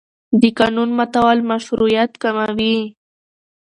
د قانون ماتول مشروعیت کموي